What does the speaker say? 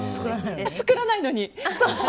作らないのに。